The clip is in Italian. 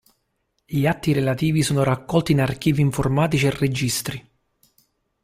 Gli atti relativi sono raccolti in archivi informatici e registri.